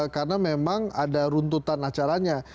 karena memang ada runtutan acaranya